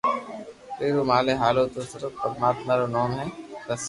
ڀيرو ھالئي ھاليو تو صرف پرماتما رو نوم بس